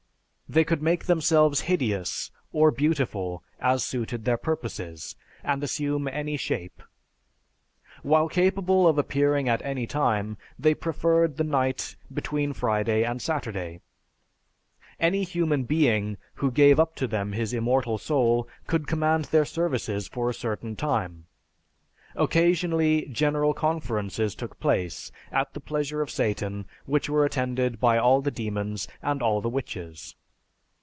They could make themselves hideous, or beautiful, as suited their purposes, and assume any shape. While capable of appearing at any time, they preferred the night between Friday and Saturday. Any human being who gave up to them his immortal soul could command their services for a certain time. Occasionally general conferences took place, at the pleasure of Satan, which were attended by all the demons and all the witches.